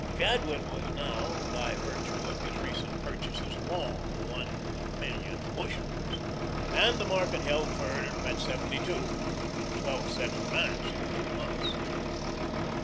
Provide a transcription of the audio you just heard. Jadwin was now, by virtue of his recent purchases, "long" one million bushels, and the market held firm at seventy two cents a twelve cent advance in two months.